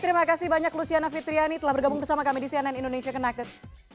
terima kasih banyak luciana fitriani telah bergabung bersama kami di cnn indonesia connected